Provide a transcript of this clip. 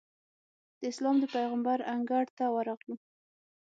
د اسلام د پېغمبر انګړ ته ورغلو.